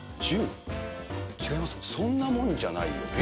そんなもんじゃないよ。